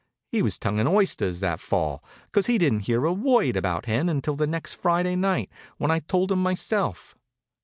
"He was tongin' oysters that fall, 'cause he didn't hear a word about Hen until the next Friday night, when I told him myself.